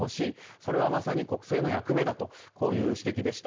それはまさに国政の役目だとこういう指摘でした。